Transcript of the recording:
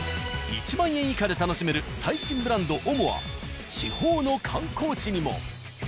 １万円以下で楽しめる最新ブランドＯＭＯは地方の観光地にも。